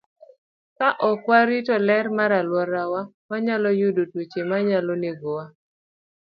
Ka ok warito ler mar alworawa, wanyalo yudo tuoche manyalo negowa.